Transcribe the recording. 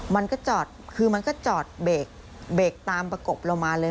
มันก็จอดเขาจอดเบรกตามประกบเรามาเลย